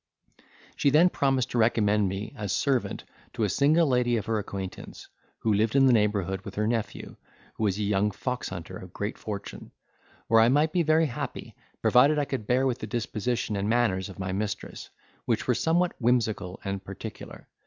She then promised to recommend me, as servant to a single lady of her acquaintance, who lived in the neighbourhood with her nephew, who was a young foxhunter of great fortune, where I might be very happy, provided I could bear with the disposition and manners of my mistress, which were somewhat whimsical and particular.